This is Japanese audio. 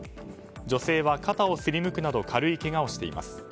女性は肩をすりむくなど軽いけがをしています。